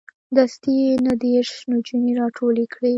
دستې یې نه دېرش نجونې راټولې کړې.